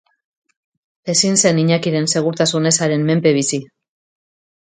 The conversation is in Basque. Ezin zen Iñakiren segurtasun ezaren menpe bizi.